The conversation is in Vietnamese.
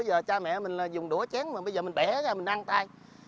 giờ cha mẹ mình dùng đũa chán mà bây giờ mình bẻ ra mình ăn tay